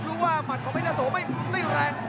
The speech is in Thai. รู้ว่ามันของเมฆเตอร์โสไม่ได้แรง